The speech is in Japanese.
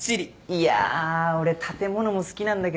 いや俺建物も好きなんだけどさ